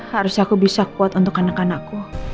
harusnya aku bisa kuat untuk anak anakku